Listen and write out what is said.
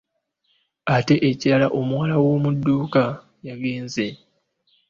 Ate n'ekirala omuwala w'omudduuka yagenza.